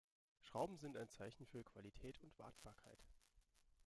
Schrauben sind ein Zeichen für Qualität und Wartbarkeit.